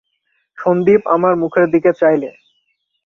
সন্দীপ আমার মুখের দিকে চাইলে।